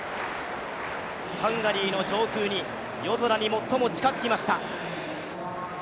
ハンガリーの上空に、夜空に最も近づきました。